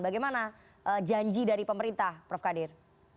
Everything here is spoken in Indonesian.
bagaimana janji dari pemerintah prof kadir